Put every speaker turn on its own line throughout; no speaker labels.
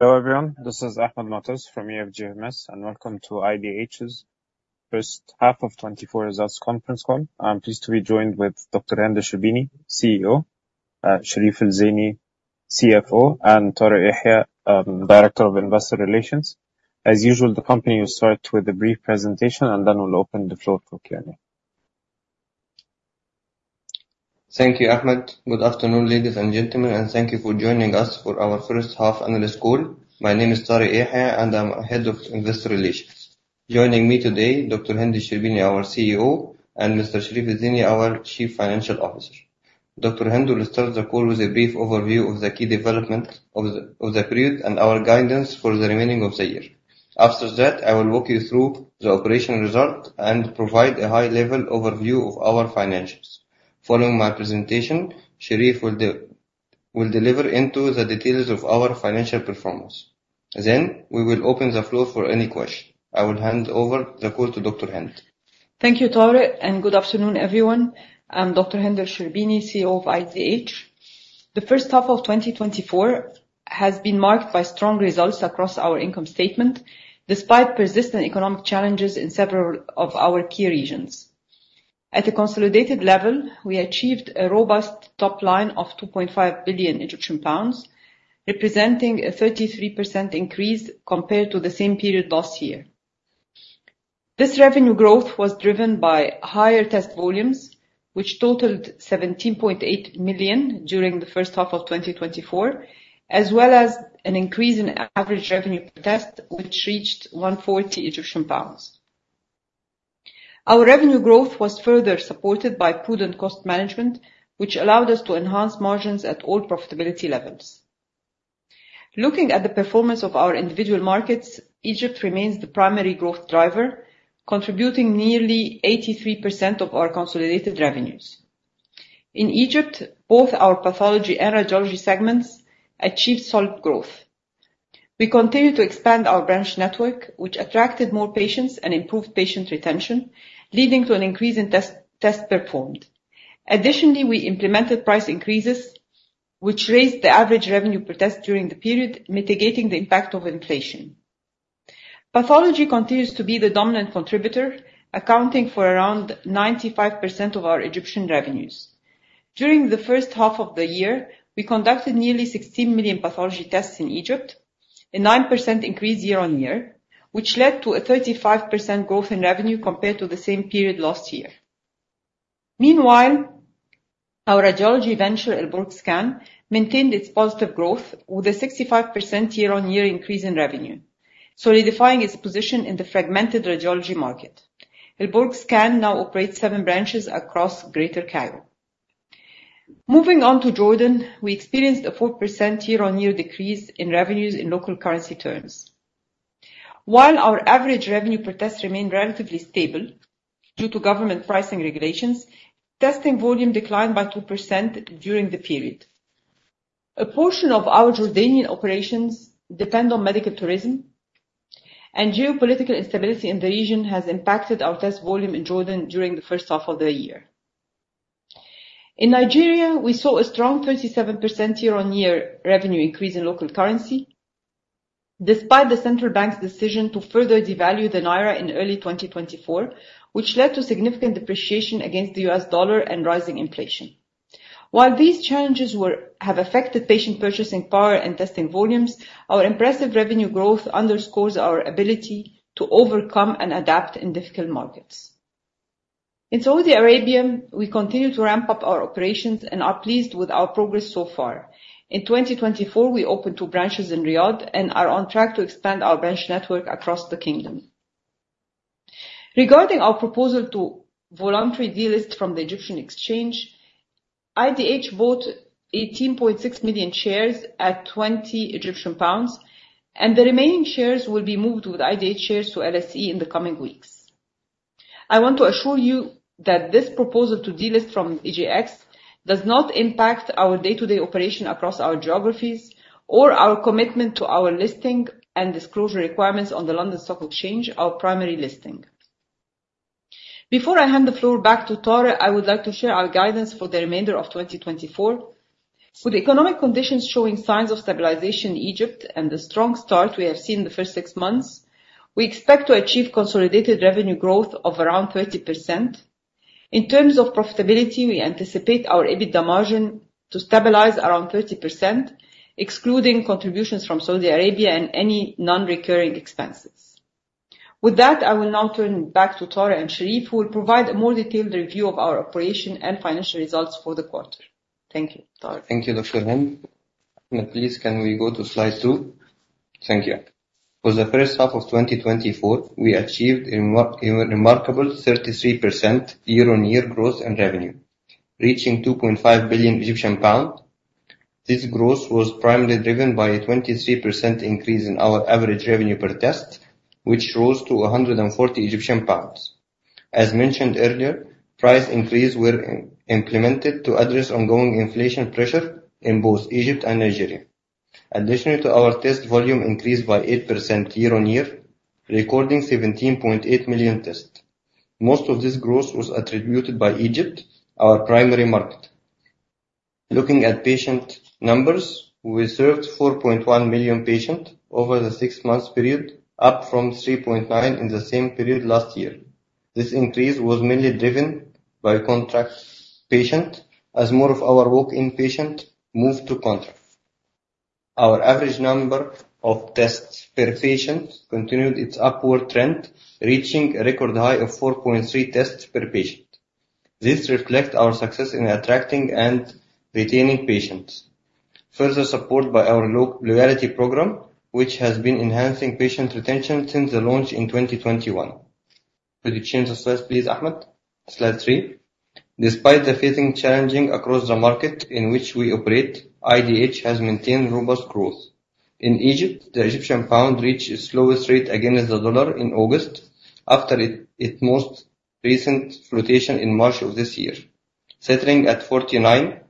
Hello, everyone. This is Ahmed Moataz from EFG Hermes, and welcome to IDH's first half of 2024 results conference call. I'm pleased to be joined with Dr. Hend El Sherbini, CEO, Sherif El Zeiny, CFO, and Tarek Yehia, Director of Investor Relations. As usual, the company will start with a brief presentation, and then we'll open the floor for Q&A.
Thank you, Ahmed. Good afternoon, ladies and gentlemen, and thank you for joining us for our first half analyst call. My name is Tarek Yehia, and I'm Head of Investor Relations. Joining me today, Dr. Hend El Sherbini, our CEO, and Mr. Sherif El Zeiny, our Chief Financial Officer. Dr. Hend will start the call with a brief overview of the key developments of the period and our guidance for the remaining of the year. After that, I will walk you through the operational results and provide a high-level overview of our financials. Following my presentation, Sherif will dive into the details of our financial performance. Then we will open the floor for any questions. I will hand over the call to Dr. Hend.
Thank you, Tarek, and good afternoon, everyone. I'm Dr. Hend El Sherbini, CEO of IDH. The first half of 2024 has been marked by strong results across our income statement, despite persistent economic challenges in several of our key regions. At a consolidated level, we achieved a robust top line of 2.5 billion Egyptian pounds, representing a 33% increase compared to the same period last year. This revenue growth was driven by higher test volumes, which totaled 17.8 million during the first half of 2024, as well as an increase in average revenue per test, which reached 140 Egyptian pounds. Our revenue growth was further supported by prudent cost management, which allowed us to enhance margins at all profitability levels. Looking at the performance of our individual markets, Egypt remains the primary growth driver, contributing nearly 83% of our consolidated revenues. In Egypt, both our pathology and radiology segments achieved solid growth. We continued to expand our branch network, which attracted more patients and improved patient retention, leading to an increase in tests performed. Additionally, we implemented price increases, which raised the average revenue per test during the period, mitigating the impact of inflation. Pathology continues to be the dominant contributor, accounting for around 95% of our Egyptian revenues. During the first half of the year, we conducted nearly 16 million pathology tests in Egypt, a 9% increase year-on-year, which led to a 35% growth in revenue compared to the same period last year. Meanwhile, our radiology venture, Al Borg Scan, maintained its positive growth, with a 65% year-on-year increase in revenue, solidifying its position in the fragmented radiology market. Al Borg Scan now operates seven branches across Greater Cairo. Moving on to Jordan, we experienced a 4% year-on-year decrease in revenues in local currency terms. While our average revenue per test remained relatively stable due to government pricing regulations, testing volume declined by 2% during the period. A portion of our Jordanian operations depend on medical tourism, and geopolitical instability in the region has impacted our test volume in Jordan during the first half of the year. In Nigeria, we saw a strong 37% year-on-year revenue increase in local currency, despite the central bank's decision to further devalue the naira in early 2024, which led to significant depreciation against the U.S. dollar and rising inflation. While these challenges have affected patient purchasing power and testing volumes, our impressive revenue growth underscores our ability to overcome and adapt in difficult markets. In Saudi Arabia, we continue to ramp up our operations and are pleased with our progress so far. In 2024, we opened two branches in Riyadh and are on track to expand our branch network across the kingdom. Regarding our proposal to voluntarily delist from the Egyptian Exchange, IDH bought 18.6 million shares at 20 Egyptian pounds, and the remaining shares will be moved with IDH shares to LSE in the coming weeks. I want to assure you that this proposal to delist from EGX does not impact our day-to-day operation across our geographies or our commitment to our listing and disclosure requirements on the London Stock Exchange, our primary listing. Before I hand the floor back to Tarek, I would like to share our guidance for the remainder of 2024. With economic conditions showing signs of stabilization in Egypt and the strong start we have seen in the first six months, we expect to achieve consolidated revenue growth of around 30%. In terms of profitability, we anticipate our EBITDA margin to stabilize around 30%, excluding contributions from Saudi Arabia and any non-recurring expenses. With that, I will now turn back to Tarek and Sherif, who will provide a more detailed review of our operation and financial results for the quarter. Thank you. Tarek?
Thank you, Dr. Hend. Now, please, can we go to slide 2? Thank you. For the first half of 2024, we achieved a remarkable 33% year-on-year growth in revenue, reaching 2.5 billion Egyptian pounds. This growth was primarily driven by a 23% increase in our average revenue per test, which rose to 140 Egyptian pounds. As mentioned earlier, price increases were implemented to address ongoing inflation pressure in both Egypt and Nigeria. Additionally to our test volume increased by 8% year-on-year, recording 17.8 million tests. Most of this growth was attributed by Egypt, our primary market.... Looking at patient numbers, we served 4.1 million patient over the six months period, up from 3.9 million in the same period last year. This increase was mainly driven by contract patients, as more of our walk-in patients moved to contract. Our average number of tests per patient continued its upward trend, reaching a record high of 4.3 tests per patient. This reflects our success in attracting and retaining patients, further supported by our loyalty program, which has been enhancing patient retention since the launch in 2021. Could you change the slide, please, Ahmed? Slide 3. Despite facing challenges across the market in which we operate, IDH has maintained robust growth. In Egypt, the Egyptian pound reached its lowest rate against the dollar in August, after its most recent fluctuation in March of this year, settling at 49.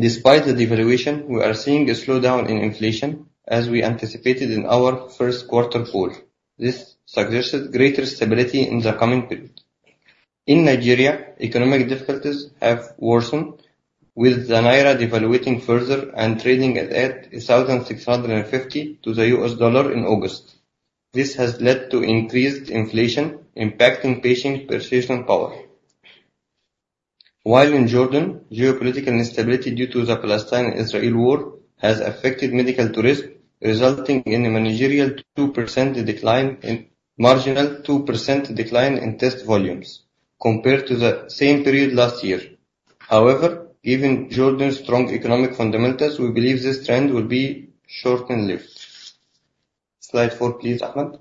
Despite the devaluation, we are seeing a slowdown in inflation as we anticipated in our first quarter call. This suggested greater stability in the coming period. In Nigeria, economic difficulties have worsened, with the Naira devaluing further and trading at 1,650 to the $1 in August. This has led to increased inflation, impacting patient purchasing power. While in Jordan, geopolitical instability due to the Palestine-Israel war has affected medical tourists, resulting in a marginal 2% decline in test volumes compared to the same period last year. However, given Jordan's strong economic fundamentals, we believe this trend will be short-lived. Slide four, please, Ahmed.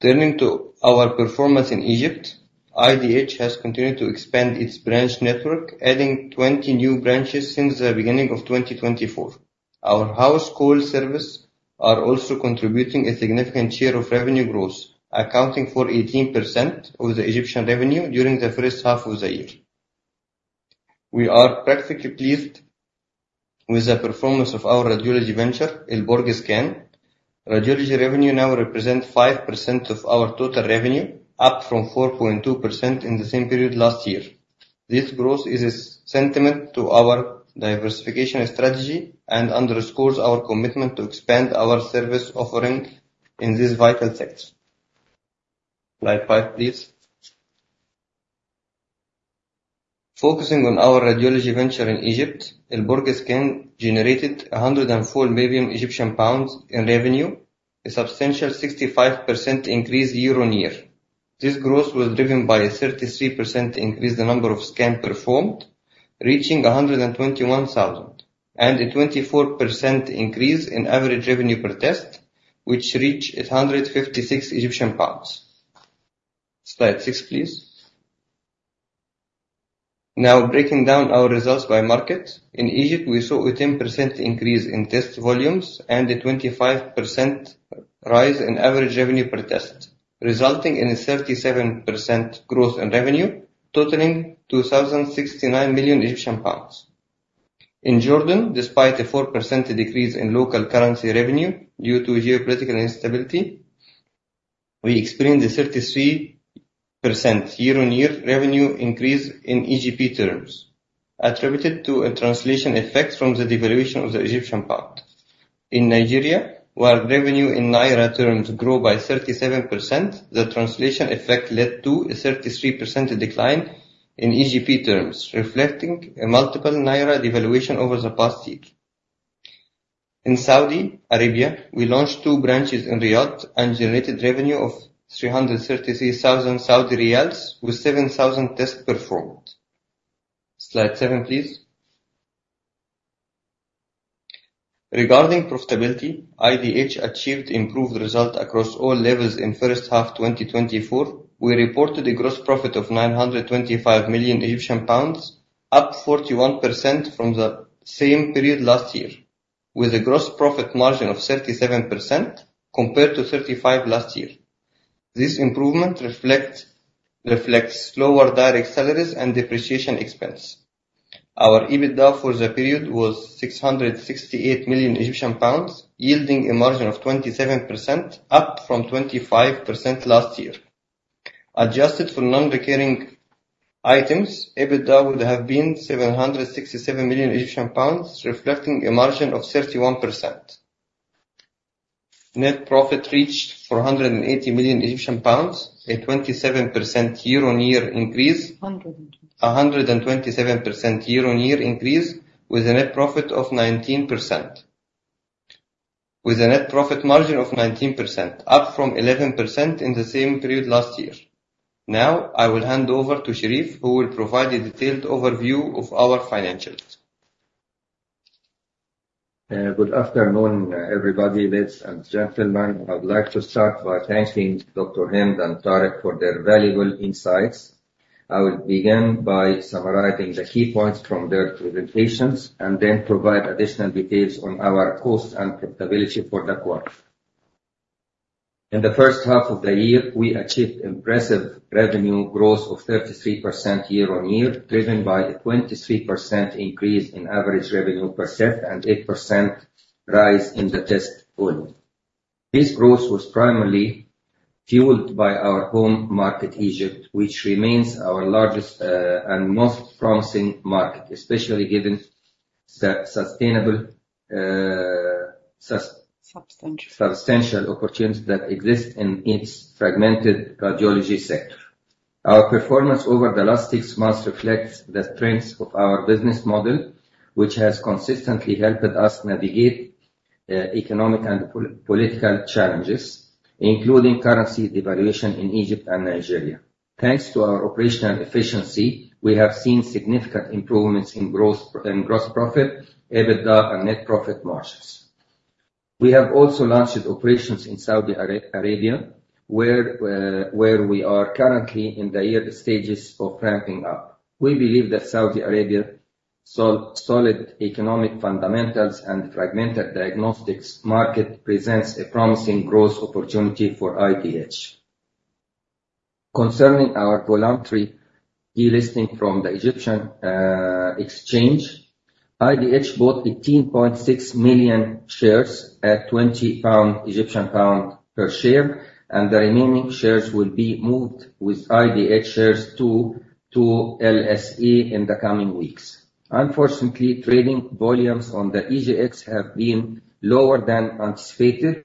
Turning to our performance in Egypt, IDH has continued to expand its branch network, adding 20 new branches since the beginning of 2024. Our house call service are also contributing a significant share of revenue growth, accounting for 18% of the Egyptian revenue during the first half of the year. We are practically pleased with the performance of our radiology venture, Al Borg Scan. Radiology revenue now represent 5% of our total revenue, up from 4.2% in the same period last year. This growth is a sentiment to our diversification strategy and underscores our commitment to expand our service offering in this vital sector. Slide five, please. Focusing on our radiology venture in Egypt, Al Borg Scan generated 104 million Egyptian pounds in revenue, a substantial 65% increase year-on-year. This growth was driven by a 33% increase in the number of scans performed, reaching 121,000, and a 24% increase in average revenue per test, which reached 156 Egyptian pounds. Slide six, please. Now, breaking down our results by market. In Egypt, we saw a 10% increase in test volumes and a 25% rise in average revenue per test, resulting in a 37% growth in revenue, totaling 2,069 million Egyptian pounds. In Jordan, despite a 4% decrease in local currency revenue due to geopolitical instability, we experienced a 33% year-on-year revenue increase in EGP terms, attributed to a translation effect from the devaluation of the Egyptian pound. In Nigeria, while revenue in Naira terms grew by 37%, the translation effect led to a 33% decline in EGP terms, reflecting a multiple Naira devaluation over the past year. In Saudi Arabia, we launched two branches in Riyadh and generated revenue of 333,000 Saudi riyals with 7,000 tests performed. Slide seven, please. Regarding profitability, IDH achieved improved results across all levels in first half 2024. We reported a gross profit of 925 million Egyptian pounds, up 41% from the same period last year, with a gross profit margin of 37%, compared to 35% last year. This improvement reflects lower direct salaries and depreciation expense. Our EBITDA for the period was 668 million Egyptian pounds, yielding a margin of 27%, up from 25% last year. Adjusted for non-recurring items, EBITDA would have been 767 million Egyptian pounds, reflecting a margin of 31%. Net profit reached 480 million Egyptian pounds, a 27% year-on-year increase. 127% year-on-year increase, with a net profit of 19%. With a net profit margin of 19%, up from 11% in the same period last year. Now, I will hand over to Sherif, who will provide a detailed overview of our financials.
Good afternoon, everybody, ladies and gentlemen. I would like to start by thanking Dr. Hend and Tarek for their valuable insights. I will begin by summarizing the key points from their presentations and then provide additional details on our costs and profitability for the quarter. In the first half of the year, we achieved impressive revenue growth of 33% year-on-year, driven by a 23% increase in average revenue per test and 8% rise in the test volume. This growth was primarily fueled by our home market, Egypt, which remains our largest and most promising market, especially given sustainable.
Substantial.
Substantial opportunities that exist in its fragmented radiology sector. Our performance over the last six months reflects the strengths of our business model, which has consistently helped us navigate economic and political challenges, including currency devaluation in Egypt and Nigeria. Thanks to our operational efficiency, we have seen significant improvements in growth, in gross profit, EBITDA, and net profit margins. We have also launched operations in Saudi Arabia, where we are currently in the early stages of ramping up. We believe that Saudi Arabia's solid economic fundamentals and fragmented diagnostics market presents a promising growth opportunity for IDH. Concerning our voluntary delisting from the Egyptian Exchange, IDH bought 18.6 million shares at 20 pound per share, and the remaining shares will be moved with IDH shares to LSE in the coming weeks. Unfortunately, trading volumes on the EGX have been lower than anticipated.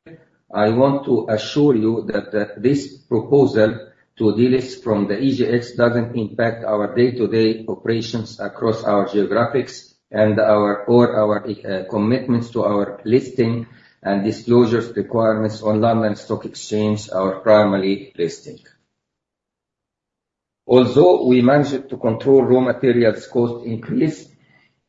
I want to assure you that this proposal to delist from the EGX doesn't impact our day-to-day operations across our geographies and our commitments to our listing and disclosures requirements on London Stock Exchange, our primary listing. Although we managed to control raw materials cost increase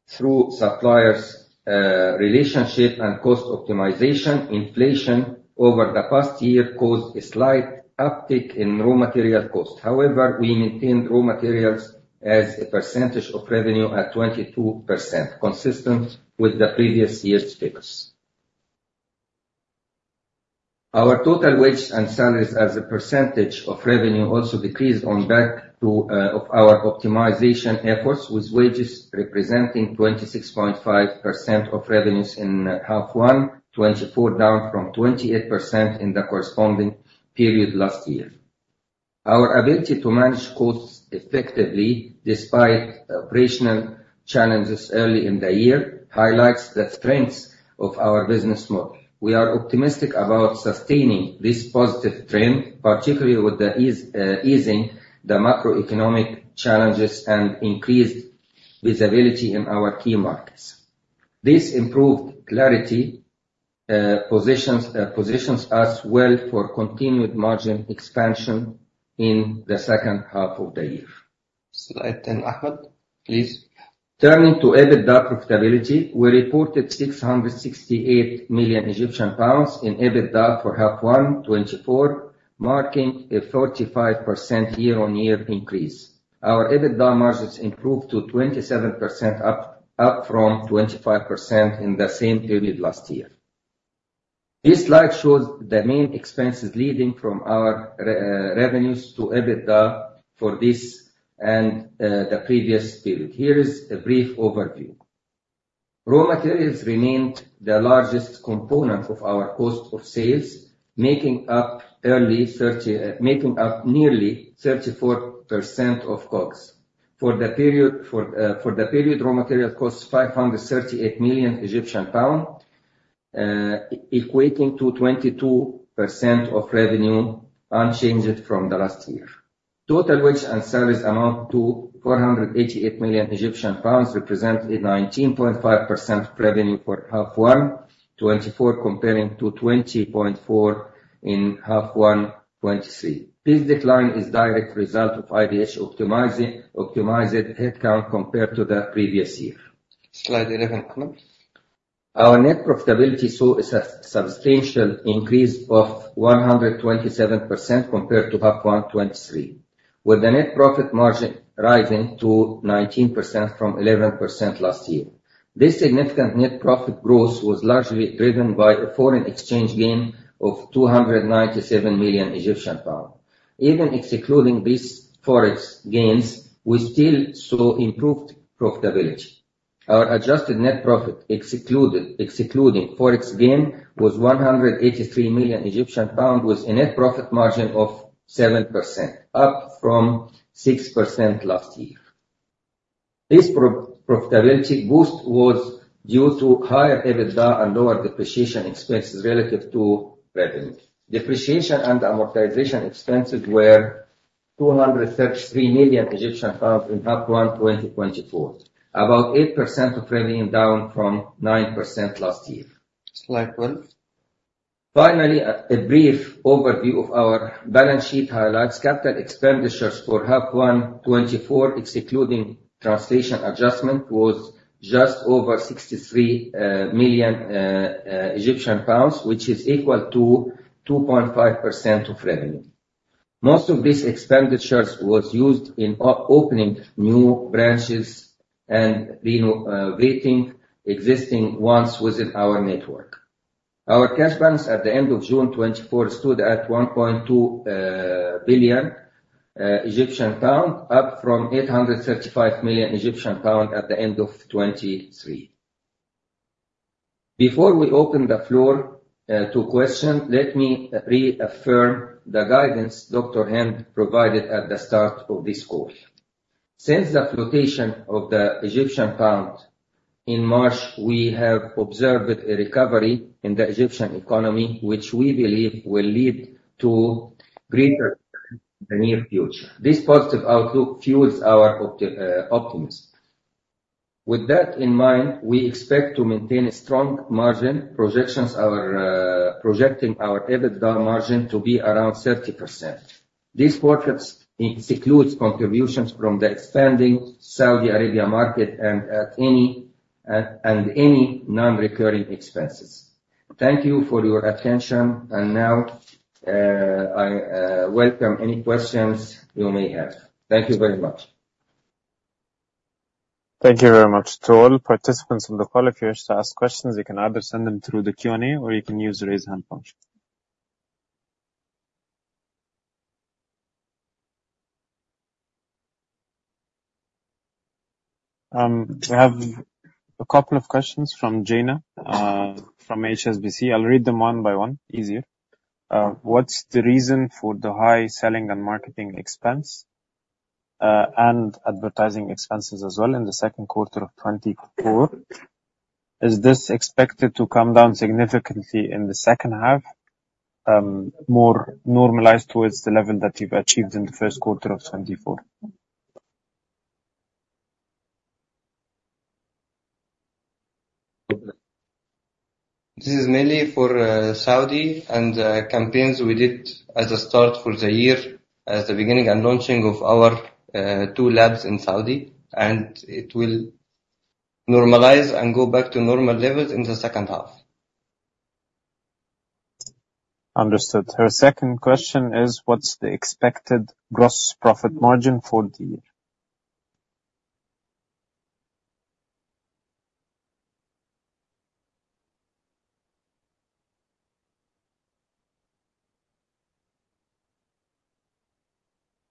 through suppliers' relationship and cost optimization, inflation over the past year caused a slight uptick in raw material costs. However, we maintained raw materials as a percentage of revenue at 22%, consistent with the previous year's figures. Our total wages and salaries as a percentage of revenue also decreased on the back of our optimization efforts, with wages representing 26.5% of revenues in half one, 24%, down from 28% in the corresponding period last year. Our ability to manage costs effectively, despite operational challenges early in the year, highlights the strengths of our business model. We are optimistic about sustaining this positive trend, particularly with the easing of the macroeconomic challenges and increased visibility in our key markets. This improved clarity positions us well for continued margin expansion in the second half of the year. Slide 10, Ahmed, please. Turning to EBITDA profitability, we reported 668 million Egyptian pounds in EBITDA for the first half of 2024, marking a 35% year-on-year increase. Our EBITDA margins improved to 27%, up from 25% in the same period last year. This slide shows the main expenses leading from our revenues to EBITDA for this and the previous period. Here is a brief overview. Raw materials remained the largest component of our cost of sales, making up nearly 34% of COGS. For the period, raw material costs, 538 million Egyptian pounds, equating to 22% of revenue, unchanged from the last year. Total wage and salaries amount to 488 million Egyptian pounds, represent a 19.5% revenue for half one 2024, comparing to 20.4% in half one 2023. This decline is direct result of IDH optimized headcount compared to the previous year.
Slide 11, please.
Our net profitability saw a substantial increase of 127% compared to half one 2023, with the net profit margin rising to 19% from 11% last year. This significant net profit growth was largely driven by a foreign exchange gain of 297 million Egyptian pounds. Even excluding these Forex gains, we still saw improved profitability. Our adjusted net profit, excluding Forex gain, was 183 million Egyptian pound, with a net profit margin of 7%, up from 6% last year. This profitability boost was due to higher EBITDA and lower depreciation expenses relative to revenue. Depreciation and amortization expenses were 233 million Egyptian pounds in half one 2024, about 8% of revenue, down from 9% last year.
Slide 12.
Finally, a brief overview of our balance sheet highlights capital expenditures for H1 2024, excluding translation adjustment, was just over 63 million Egyptian pounds, which is equal to 2.5% of revenue. Most of these expenditures was used in opening new branches and renovating existing ones within our network. Our cash balance at the end of June 2024 stood at 1.2 billion Egyptian pound, up from 835 million Egyptian pound at the end of 2023. Before we open the floor to question, let me reaffirm the guidance Dr. Hend provided at the start of this call. Since the flotation of the Egyptian pound in March, we have observed a recovery in the Egyptian economy, which we believe will lead to greater in the near future. This positive outlook fuels our optimism. With that in mind, we expect to maintain a strong margin. Projections are projecting our EBITDA margin to be around 30%. These projections include contributions from the expanding Saudi Arabia market and any non-recurring expenses. Thank you for your attention, and now I welcome any questions you may have. Thank you very much.
Thank you very much to all participants on the call. If you wish to ask questions, you can either send them through the Q&A, or you can use the Raise Hand function. We have a couple of questions from Jana from HSBC. I'll read them one by one, easier. What's the reason for the high selling and marketing expense and advertising expenses as well in the second quarter of 2024? Is this expected to come down significantly in the second half, more normalized towards the level that you've achieved in the first quarter of 2024?
This is mainly for Saudi and campaigns we did as a start for the year, at the beginning and launching of our two labs in Saudi, and it will normalize and go back to normal levels in the second half.
Understood. Her second question is: What's the expected gross profit margin for the year?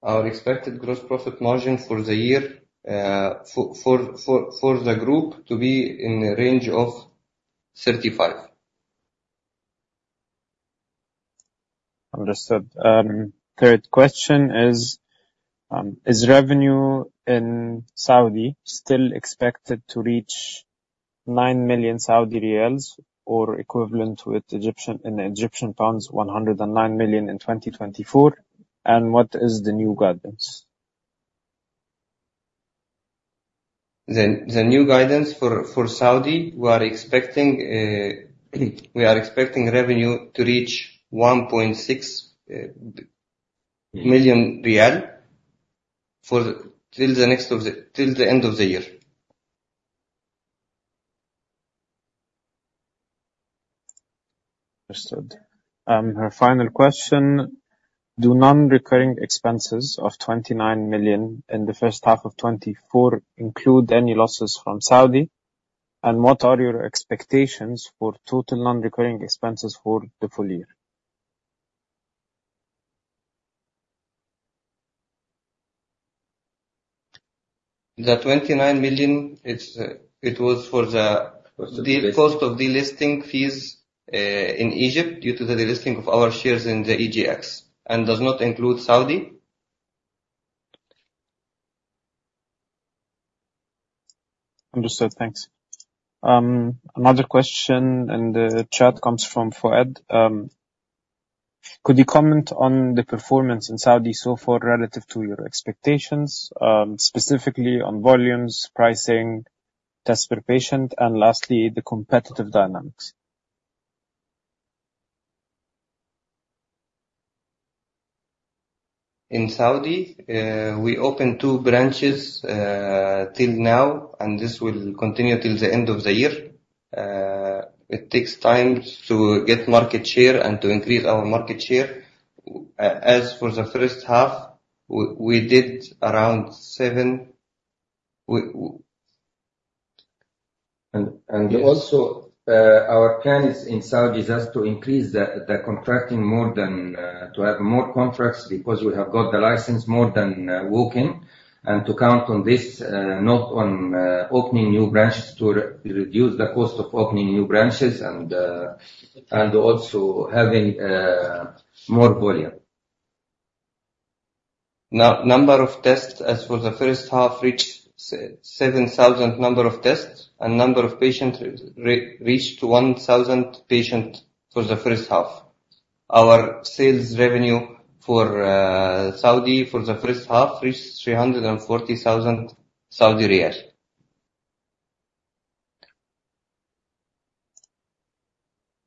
Our expected gross profit margin for the year for the group to be in the range of 35%.
Understood. Third question is, is revenue in Saudi still expected to reach 9 million Saudi riyals, or equivalent with Egyptian... in Egyptian pounds, 109 million in 2024? And what is the new guidance?
The new guidance for Saudi. We are expecting revenue to reach SAR 1.6 million till the end of the year.
Understood. Her final question: Do non-recurring expenses of 29 million in the first half of 2024 include any losses from Saudi? And what are your expectations for total non-recurring expenses for the full year?
The 29 million, it's, it was for the- - cost of delisting fees in Egypt due to the delisting of our shares in the EGX and does not include Saudi.
Understood. Thanks. Another question in the chat comes from Fouad. Could you comment on the performance in Saudi so far relative to your expectations, specifically on volumes, pricing, tests per patient, and lastly, the competitive dynamics?
In Saudi, we opened two branches till now, and this will continue till the end of the year. It takes time to get market share and to increase our market share. As for the first half, we did around seven. And also, our plan in Saudi is just to increase the contracting more than to have more contracts, because we have got the license more than walk-in. And to count on this, not on opening new branches, to reduce the cost of opening new branches and also having more volume. Number of tests as for the first half reached 7,000 number of tests, and number of patients reached 1,000 patient for the first half. Our sales revenue for Saudi for the first half reached 340,000 Saudi riyal.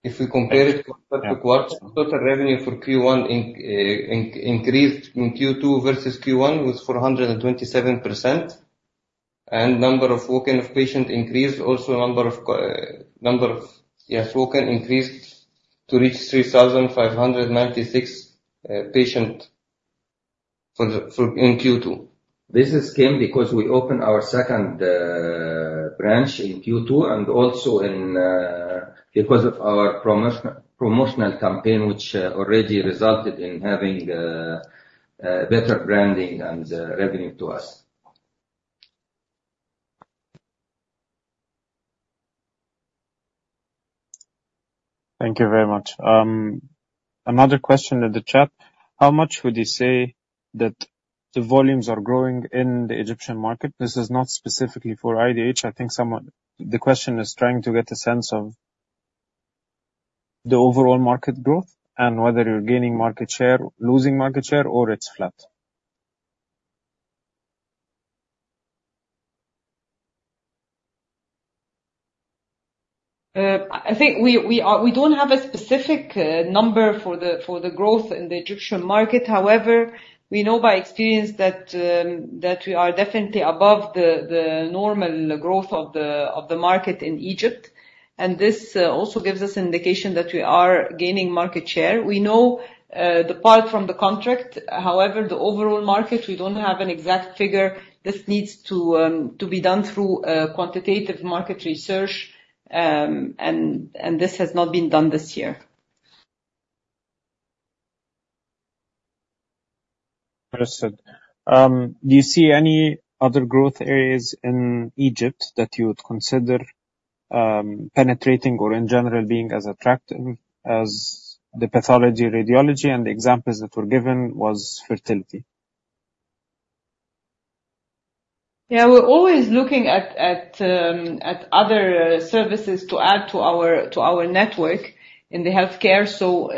If we compare it to quarter, total revenue for Q1 increased in Q2 versus Q1 was 427%. And number of walk-in of patient increased, also number of Yes, walk-in increased to reach 3,596 patient in Q2. This is came because we opened our second branch in Q2, and also because of our promotional campaign, which already resulted in having better branding and revenue to us.
Thank you very much. Another question in the chat: How much would you say that the volumes are growing in the Egyptian market? This is not specifically for IDH. I think someone... The question is trying to get a sense of the overall market growth and whether you're gaining market share, losing market share, or it's flat.
I think we don't have a specific number for the growth in the Egyptian market. However, we know by experience that we are definitely above the normal growth of the market in Egypt, and this also gives us indication that we are gaining market share. We know the part from the contract, however, the overall market, we don't have an exact figure. This needs to be done through a quantitative market research, and this has not been done this year.
Understood. Do you see any other growth areas in Egypt that you would consider penetrating or in general being as attractive as the pathology, radiology, and the examples that were given was fertility?
Yeah, we're always looking at other services to add to our network in the healthcare. So,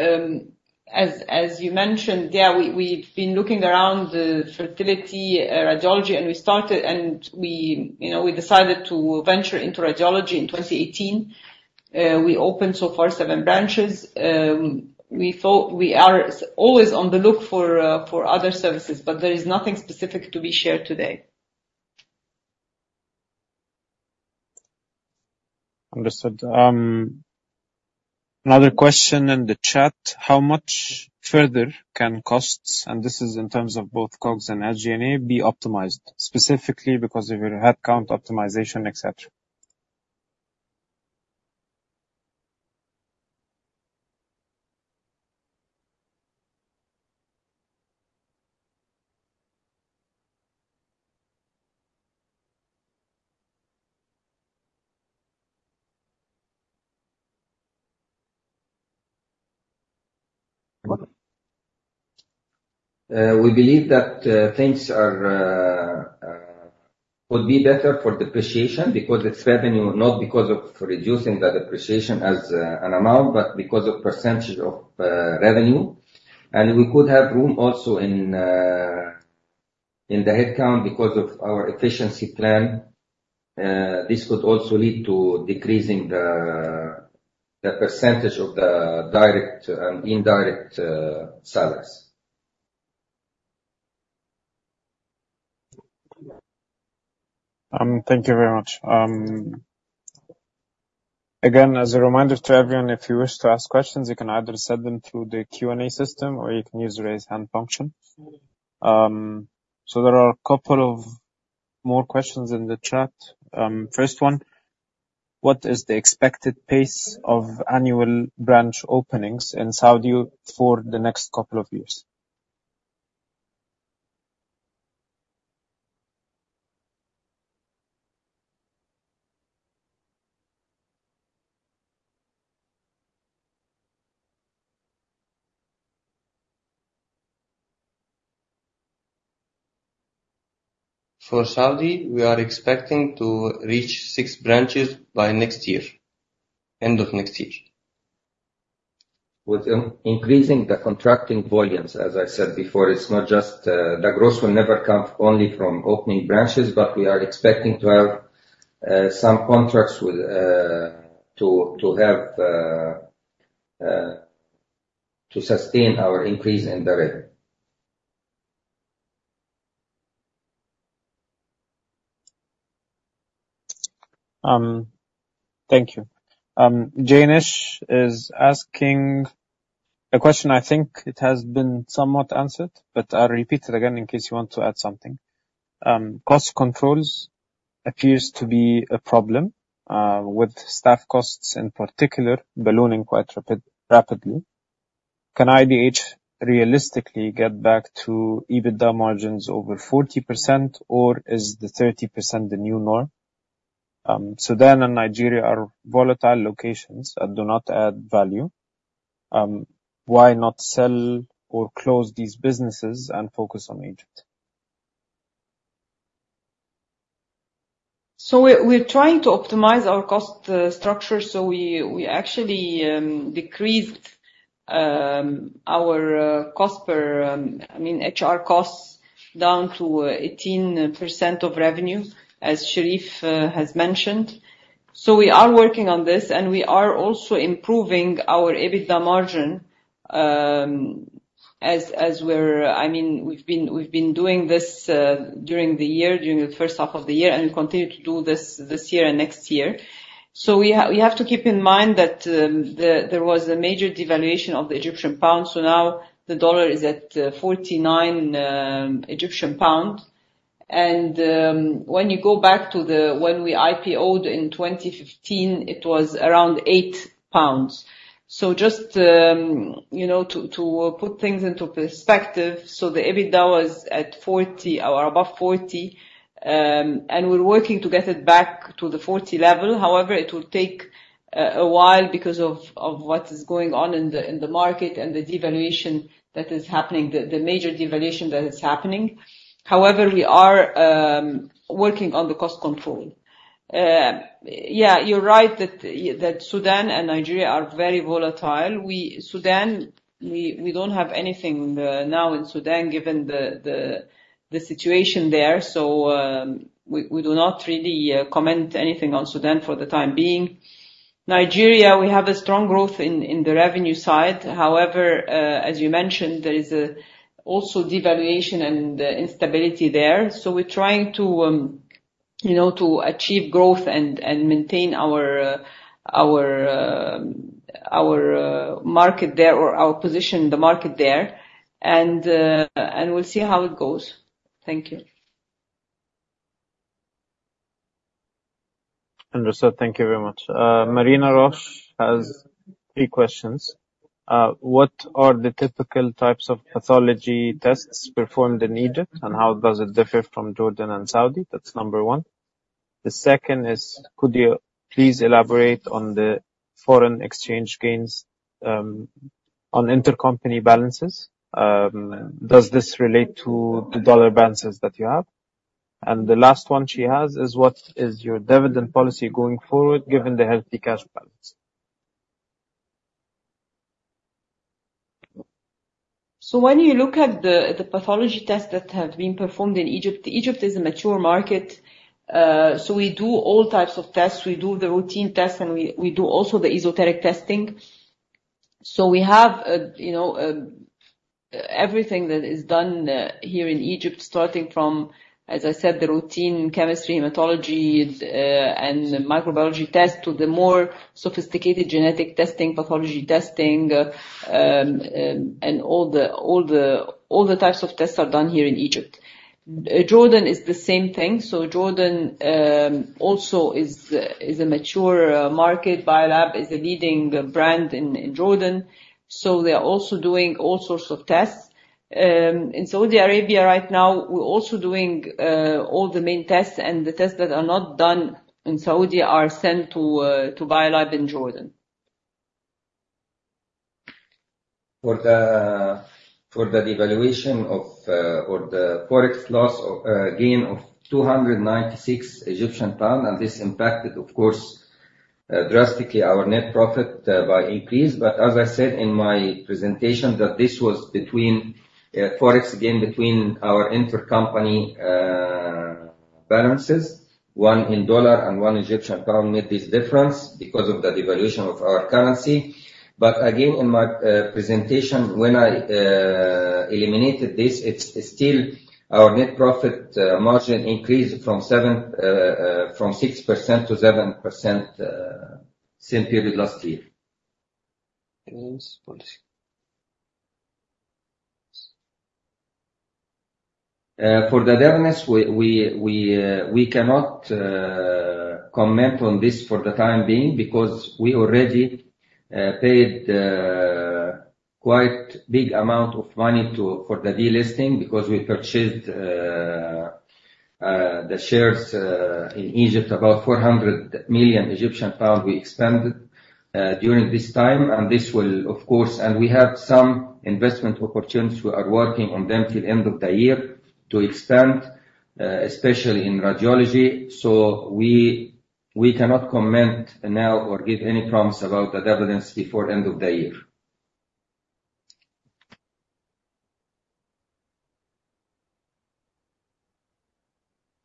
as you mentioned, yeah, we've been looking around the fertility, radiology, and, you know, we decided to venture into radiology in 2018. We opened so far seven branches. We are always on the lookout for other services, but there is nothing specific to be shared today.
Understood. Another question in the chat: How much further can costs, and this is in terms of both COGS and SG&A, be optimized, specifically because of your headcount optimization, et cetera?
We believe that things would be better for depreciation because it's revenue, not because of reducing the depreciation as an amount, but because of percentage of revenue. And we could have room also in the headcount because of our efficiency plan. This could also lead to decreasing the percentage of the direct and indirect salaries.
Thank you very much. Again, as a reminder to everyone, if you wish to ask questions, you can either send them through the Q&A system, or you can use the Raise Hand function. So there are a couple of more questions in the chat. First one: What is the expected pace of annual branch openings in Saudi for the next couple of years?
For Saudi, we are expecting to reach six branches by next year, end of next year.
With increasing the contracting volumes, as I said before, it's not just. The growth will never come only from opening branches, but we are expecting to have some contracts with to sustain our increase in the rate.
Thank you. Janesh is asking a question, I think it has been somewhat answered, but I'll repeat it again in case you want to add something. Cost controls appears to be a problem with staff costs in particular, ballooning quite rapidly. Can IDH realistically get back to EBITDA margins over 40%, or is the 30% the new norm? Sudan and Nigeria are volatile locations and do not add value. Why not sell or close these businesses and focus on Egypt?
So we're trying to optimize our cost structure, so we actually decreased our cost per, I mean, HR costs down to 18% of revenue, as Sherif has mentioned. So we are working on this, and we are also improving our EBITDA margin as we've been doing this during the year, during the first half of the year, and we continue to do this this year and next year. So we have to keep in mind that there was a major devaluation of the Egyptian pound, so now the dollar is at 49 Egyptian pound. And when you go back to when we IPO'd in 2015, it was around 8 pounds. So just, you know, to put things into perspective, the EBITDA was at 40% or above 40%, and we're working to get it back to the 40% level. However, it will take a while because of what is going on in the market and the devaluation that is happening, the major devaluation that is happening. However, we are working on the cost control. Yeah, you're right, that Sudan and Nigeria are very volatile. Sudan, we don't have anything now in Sudan, given the situation there, so we do not really comment anything on Sudan for the time being. Nigeria, we have a strong growth in the revenue side. However, as you mentioned, there is also devaluation and instability there. So we're trying to, you know, to achieve growth and maintain our market there or our position in the market there, and we'll see how it goes. Thank you.
Understood. Thank you very much. [Marina Rosh] has three questions. What are the typical types of pathology tests performed in Egypt, and how does it differ from Jordan and Saudi? That's number one. The second is, could you please elaborate on the foreign exchange gains, on intercompany balances? Does this relate to the dollar balances that you have? And the last one she has is: What is your dividend policy going forward, given the healthy cash balance?
So when you look at the pathology tests that have been performed in Egypt, Egypt is a mature market, so we do all types of tests. We do the routine tests, and we do also the esoteric testing, so we have, you know, everything that is done here in Egypt, starting from, as I said, the routine chemistry, hematology, and microbiology test, to the more sophisticated genetic testing, pathology testing, and all the types of tests are done here in Egypt. Jordan is the same thing, so Jordan also is a mature market. Biolab is a leading brand in Jordan, so they are also doing all sorts of tests. In Saudi Arabia right now, we're also doing all the main tests, and the tests that are not done in Saudi are sent to Biolab in Jordan.
For the devaluation of, or the Forex loss of, gain of 296 Egyptian pound, and this impacted, of course, drastically our net profit, by increase. But as I said in my presentation, that this was between, Forex gain between our intercompany, balances, one in dollar and one Egyptian pound, made this difference because of the devaluation of our currency. But again, in my, presentation, when I, eliminated this, it's still our net profit, margin increased from 6% to 7%, same period last year.
Yes, got you.
For the dividends, we cannot comment on this for the time being, because we already paid quite big amount of money for the delisting, because we purchased the shares in Egypt. About 400 million Egyptian pounds we expended during this time, and this will, of course. We have some investment opportunities. We are working on them till end of the year to expand, especially in radiology. So we cannot comment now or give any promise about the dividends before end of the year.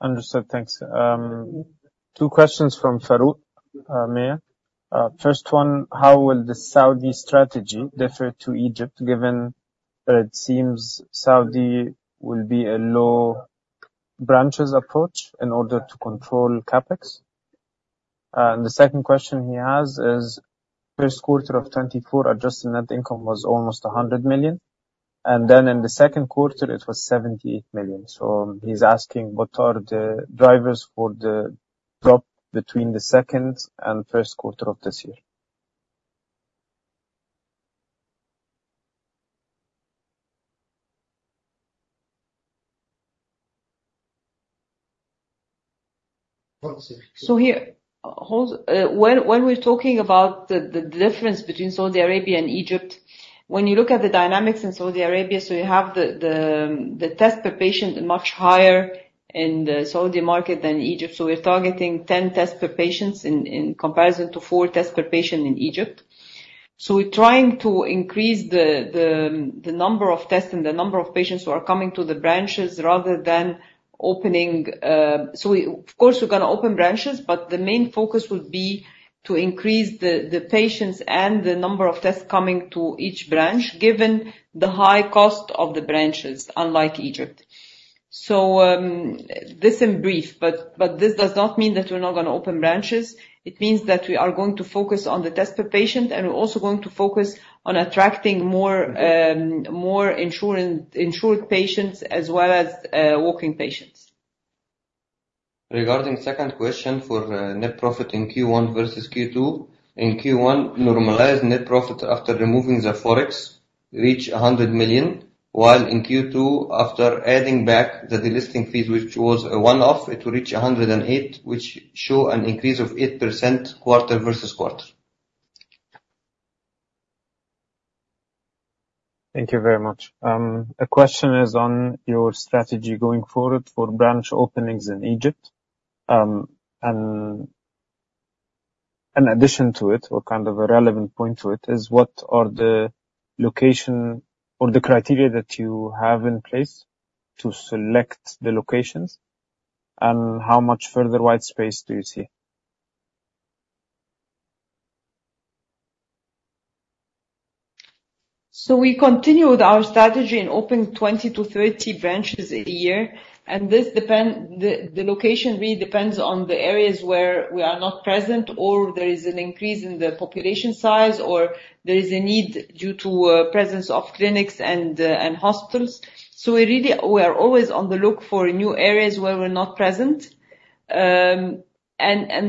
Understood. Thanks. Two questions from Farouk Miah. First one: How will the Saudi strategy differ to Egypt, given that it seems Saudi will be a low branches approach in order to control CapEx? And the second question he has is, first quarter of 2024, adjusted net income was almost 100 million, and then in the second quarter, it was 78 million. So he's asking, what are the drivers for the drop between the second and first quarter of this year?
What's it?
So here, when we're talking about the difference between Saudi Arabia and Egypt, when you look at the dynamics in Saudi Arabia, so you have the test per patient much higher in the Saudi market than Egypt. So we're targeting 10 tests per patient in comparison to four tests per patient in Egypt. So we're trying to increase the number of tests and the number of patients who are coming to the branches, rather than opening. So we, of course, we're gonna open branches, but the main focus will be to increase the patients and the number of tests coming to each branch, given the high cost of the branches, unlike Egypt. So, this in brief, but this does not mean that we're not gonna open branches. It means that we are going to focus on the test per patient, and we're also going to focus on attracting more insured patients as well as walk-in patients.
Regarding second question for net profit in Q1 versus Q2. In Q1, normalized net profit after removing the Forex reached 100 million, while in Q2, after adding back the delisting fees, which was a one-off, it reached 108 million, which show an increase of 8% quarter versus quarter.
Thank you very much. The question is on your strategy going forward for branch openings in Egypt, and an addition to it, or kind of a relevant point to it, is what are the location or the criteria that you have in place to select the locations, and how much further white space do you see?
So we continued our strategy in opening 20 to 30 branches a year, and this depends. The location really depends on the areas where we are not present, or there is an increase in the population size, or there is a need due to presence of clinics and hospitals. So we really are always on the lookout for new areas where we're not present. And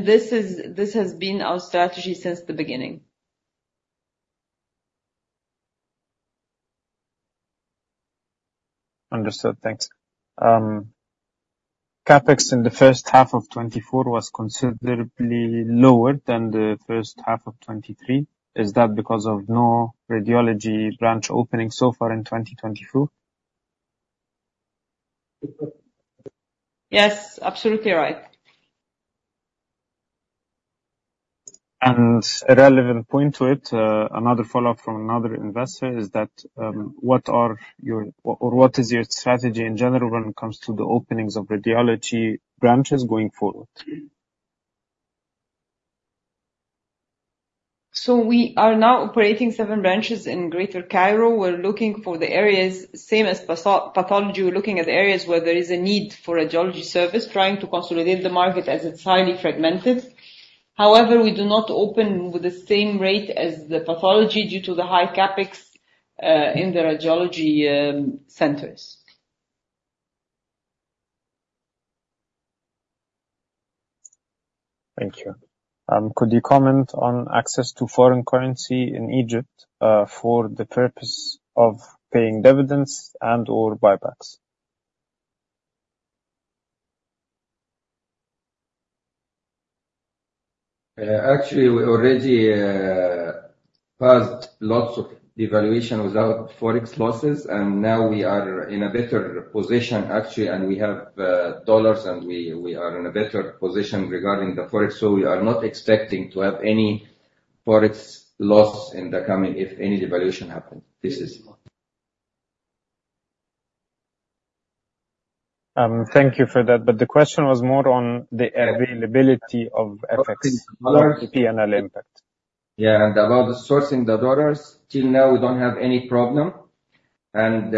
this has been our strategy since the beginning.
Understood. Thanks. CapEx in the first half of 2024 was considerably lower than the first half of 2023. Is that because of no radiology branch opening so far in 2024?
Yes, absolutely right.
A relevant point to it, another follow-up from another investor, is that, what is your strategy in general when it comes to the openings of radiology branches going forward?
We are now operating seven branches in Greater Cairo. We're looking for the areas, same as pathology, we're looking at areas where there is a need for a radiology service, trying to consolidate the market as it's highly fragmented. However, we do not open with the same rate as the pathology due to the high CapEx in the radiology centers.
Thank you. Could you comment on access to foreign currency in Egypt, for the purpose of paying dividends and/or buybacks?
Actually, we already passed lots of devaluation without Forex losses, and now we are in a better position, actually, and we have dollars, and we are in a better position regarding the Forex. So we are not expecting to have any Forex loss in the coming, if any devaluation happens. This is...
Thank you for that, but the question was more on the availability of FX-
Okay.
- PNL impact.
Yeah, and about sourcing the dollars, till now, we don't have any problem. And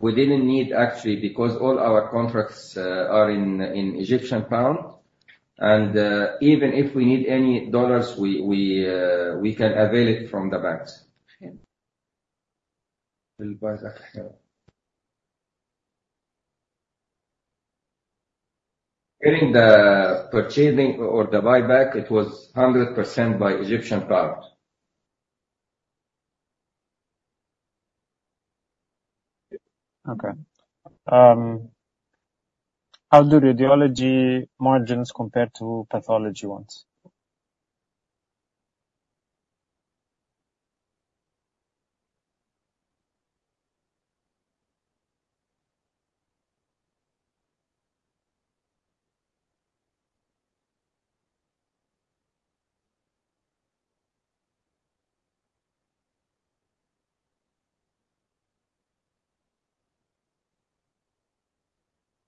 we didn't need actually, because all our contracts are in Egyptian pound. And even if we need any dollars, we can avail it from the banks. In the purchasing or the buyback, it was 100% by Egyptian pound.
Okay. How do radiology margins compare to pathology ones?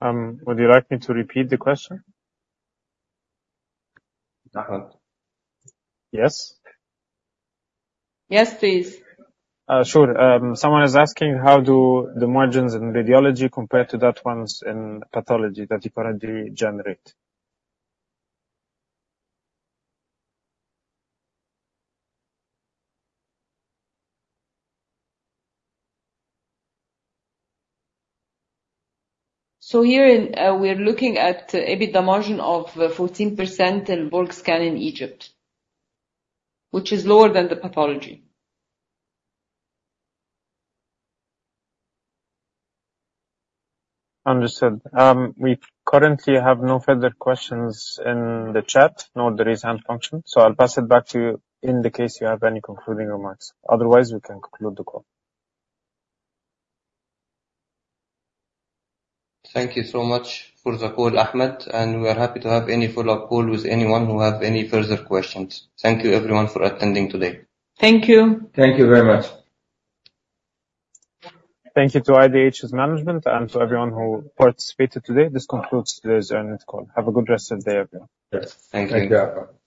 Would you like me to repeat the question?
Uh, huh.
Yes?
Yes, please.
Sure. Someone is asking, how do the margins in radiology compare to those ones in pathology that you currently generate?
We're looking at EBITDA margin of 14% in Al-Borg Scan in Egypt, which is lower than the pathology.
Understood. We currently have no further questions in the chat, nor the raise hand function, so I'll pass it back to you in the case you have any concluding remarks. Otherwise, we can conclude the call.
Thank you so much for the call, Ahmed, and we are happy to have any follow-up call with anyone who have any further questions. Thank you, everyone, for attending today.
Thank you.
Thank you very much.
Thank you to IDH's management and to everyone who participated today. This concludes today's earnings call. Have a good rest of the day, everyone.
Yes.